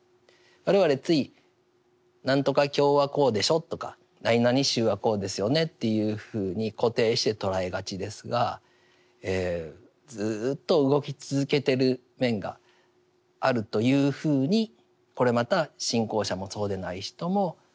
我々つい何とか教はこうでしょとかなになに宗はこうですよねっていうふうに固定して捉えがちですがずっと動き続けている面があるというふうにこれまた信仰者もそうでない人も見ていった方がいい。